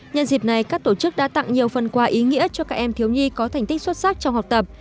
nhân dịp này các tổ chức đã tặng nhiều phần quà ý nghĩa cho các em thiếu nhi có thành tích xuất sắc trong học tập